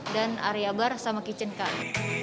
dan area bar sama kitchen kak